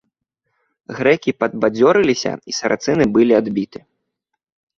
Грэкі падбадзёрыліся, і сарацыны былі адбіты.